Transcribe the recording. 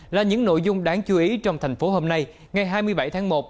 là những nội dung đáng chú ý trong thành phố hôm nay ngày hai mươi bảy tháng một